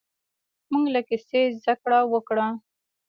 موږ له کیسې زده کړه وکړه.